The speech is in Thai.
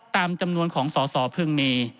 ตามจำนวนของสอสอพึงมี